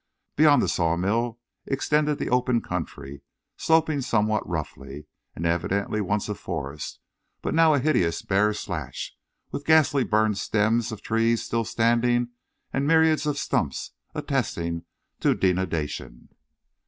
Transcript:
Beyond the sawmill extended the open country sloping somewhat roughly, and evidently once a forest, but now a hideous bare slash, with ghastly burned stems of trees still standing, and myriads of stumps attesting to denudation.